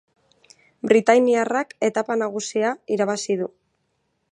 Britainiarrak etapa nagusia irabazi du.